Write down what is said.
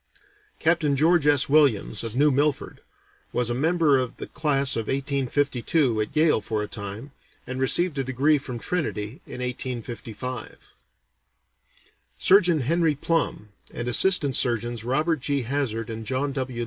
Captain George S. Williams, of New Milford, was a member of the class of 1852 at Yale for a time, and received a degree from Trinity in 1855. Surgeon Henry Plumb, and Assistant Surgeons Robert G. Hazzard and John W.